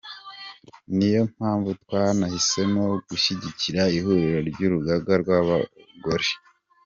Ni yo mpamvu twanahisemo gushyigikira ihuriro ry’urugaga rw’abagore.